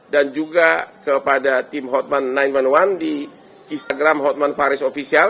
dan juga kepada tim hotman sembilan ratus sebelas di instagram hotman paris official